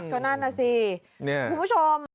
ก็นั่นน่ะสิคุณผู้ชม